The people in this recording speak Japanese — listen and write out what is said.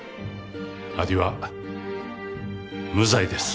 アリは無罪です。